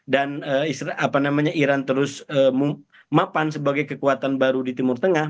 dan apa namanya iran terus memapan sebagai kekuatan baru di timur tengah